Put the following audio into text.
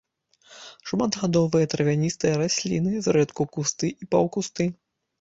Шматгадовыя травяністыя расліны, зрэдку кусты і паўкусты.